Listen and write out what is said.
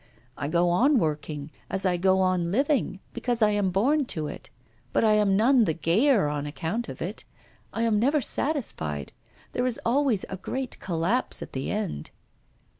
I go on working, as I go on living, because I am born to it, but I am none the gayer on account of it. I am never satisfied; there is always a great collapse at the end.